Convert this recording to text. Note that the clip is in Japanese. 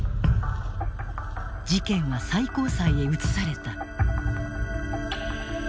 事件は最高裁へ移された。